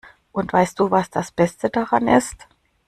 Und weißt du, was das Beste daran ist?